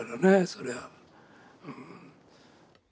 そりゃあ。